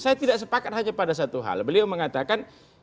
saya tidak sepakat hanya pada satu hal beliau mengatakan